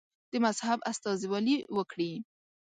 د مذهب استازولي وکړي.